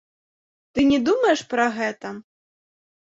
Ты не думаеш пра гэта?